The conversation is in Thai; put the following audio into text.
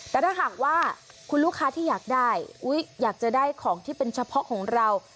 แต่ถ้าหากว่าคุณลูกค้าที่อยากได้อยากจะได้ของที่เป็นเฉพาะของเรา